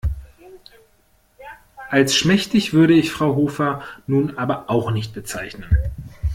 Als schmächtig würde ich Frau Hofer nun aber auch nicht bezeichnen.